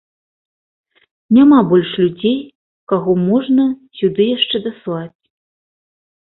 Няма больш людзей, каго можна сюды яшчэ даслаць.